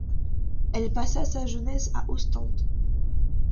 Elle passa sa jeunesse à Ostende.